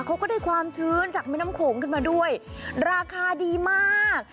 เขาก็ได้ความชื้นจากแม่น้ำโขงขึ้นมาด้วยราคาดีมาก